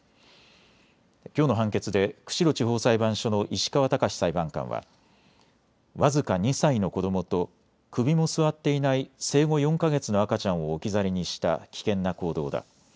きょうの判決で釧路地方裁判所の石川貴司裁判官は僅か２歳の子どもと首も据わっていない生後４か月の赤ちゃんを置き去りにした危険な行動だ。